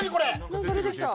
何か出てきた何？